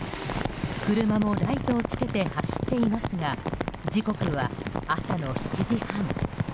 車もライトをつけて走っていますが時刻は朝の７時半。